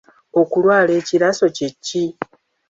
Okulwala ekiraso kye ki?